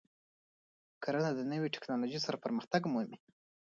کرنه د نوې تکنالوژۍ سره پرمختګ مومي.